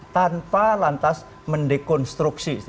tanpa lantas mendekonstruksi